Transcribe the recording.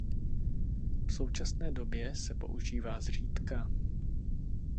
V současné době se používá zřídka.